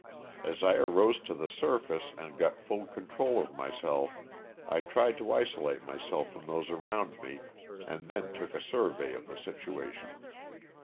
As I arose to the surface and got full control of myself I tried to isolate myself from those around me and then took a survey of the situation.